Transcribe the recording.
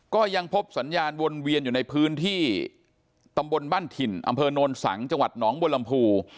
ก็ยังพบสัญญาณวนเวียนอยู่ในพื้นที่ตำบลบ้านถิ่นอำเภอโนนสังจังหวัดหนองบัวลำพู